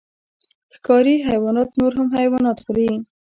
ښکاري حیوانات نور حیوانات خوري